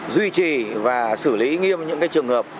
duy trì và xử lý nghiêm những trường hợp